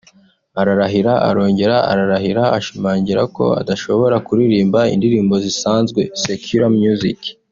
ararahira arongera ararahira ashimangira ko adashobora kuririmba indirimbo zisanzwe (secular music)